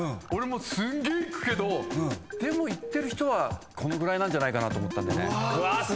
俺もすんげえ行くけどでも行ってる人はこのぐらいなんじゃないかなと思ったんだよね。